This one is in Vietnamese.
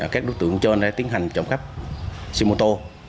các đối tượng trên đã tiến hành trộm cắp xe mô tô